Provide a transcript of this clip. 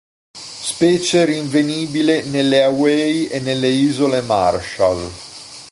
Specie rinvenibile nelle Hawaii e nelle Isole Marshall.